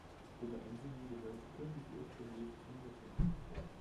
Oberensingen gehörte kirchlich ursprünglich zu Nürtingen.